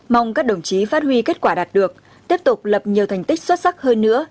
mong các đồng chí phát huy kết quả đạt được tiếp tục lập nhiều thành tích xuất sắc hơn nữa